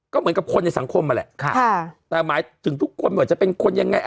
ก็เหมือนกับคนในสังคมนั่นแหละค่ะแต่หมายถึงทุกคนว่าจะเป็นคนยังไง